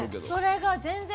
それが全然。